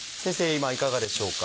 今いかがでしょうか？